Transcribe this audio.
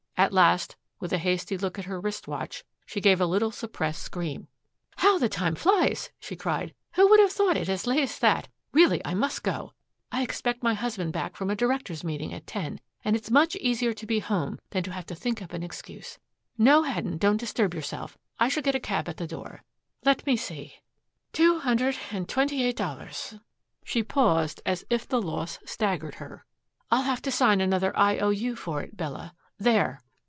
At last, with a hasty look at her wrist watch, she gave a little suppressed scream. "How the time flies!" she cried. "Who would have thought it as late as that? Really I must go. I expect my husband back from a director's meeting at ten, and it's much easier to be home than to have to think up an excuse. No, Haddon, don't disturb yourself. I shall get a cab at the door. Let me see two hundred and twenty eight dollars." She paused as if the loss staggered her. "I'll have to sign another I O U for it, Bella. There!"